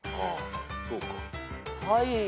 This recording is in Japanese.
はい。